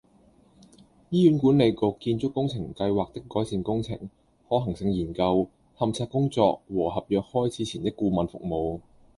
醫院管理局－建築工程計劃的改善工程、可行性研究、勘測工作和合約開始前的顧問服務